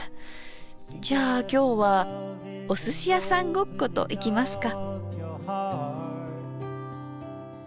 じゃあ今日はおすしやさんごっこといきますか。